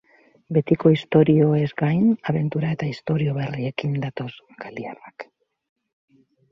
Betiko istorioez gain, abentura eta istorio berriekin datoz galiarrak.